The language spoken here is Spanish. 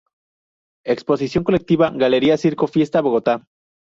Exposición colectiva Galería Circo-Fiesta, Bogotá.